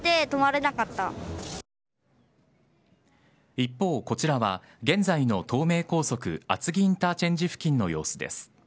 一方、こちらは現在の東名高速厚木インターチェンジ付近の様子です。